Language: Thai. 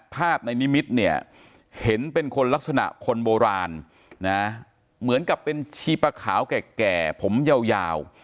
ภาพในนิมิตรเนี่ยเห็นเป็นคนลักษณะคนโบราณนะเหมือนกับเป็นชีปะขาวแก่ผมยาว